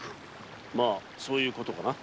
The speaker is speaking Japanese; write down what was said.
まぁそういうことかな。